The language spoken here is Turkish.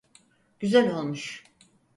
Güzel olmuş.